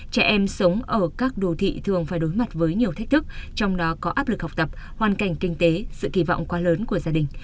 trẻ em sống ở các đồ thị thường phải đối mặt với nhiều thách thức trong đó có áp lực học tập hoàn cảnh kinh tế sự kỳ vọng quá lớn của gia đình